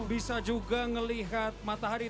bisa juga ngelihat matahari